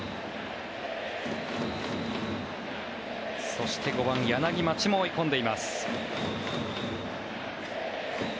そして５番、柳町も追い込んでいます。